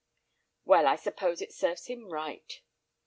"Well, I suppose it serves him right."